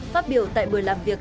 phát biểu tại buổi làm việc